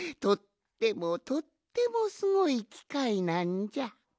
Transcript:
とってもとってもすごいきかいなんじゃ！